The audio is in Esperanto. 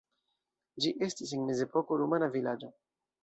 Ĝi estis en mezepoko rumana vilaĝo.